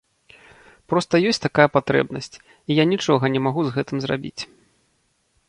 Проста ёсць такая патрэбнасць, і я нічога не магу з гэтым зрабіць.